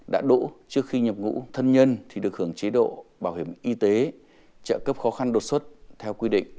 đã đỗ trước khi nhập ngũ thân nhân thì được hưởng chế độ bảo hiểm y tế trợ cấp khó khăn đột xuất theo quy định